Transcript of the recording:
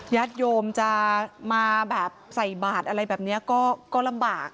ญาติโยมจะมาแบบใส่บาทอะไรแบบนี้ก็ลำบาก